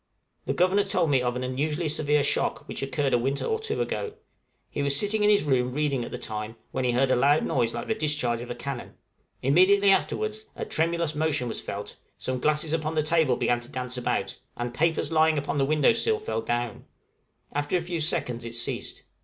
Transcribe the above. The Governor told me of an unusually severe shock which occurred a winter or two ago. He was sitting in his room reading at the time, when he heard a loud noise like the discharge of a cannon; immediately afterwards a tremulous motion was felt, some glasses upon the table began to dance about, and papers lying upon the window sill fell down: after a few seconds it ceased.